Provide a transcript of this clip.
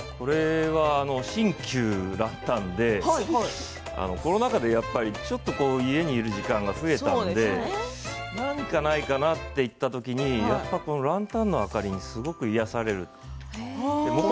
新旧のランタンでコロナ禍でやっぱりちょっと家にいる時間が増えたので何かないかなと思ったときにランタンの明かりにすごく癒やされる。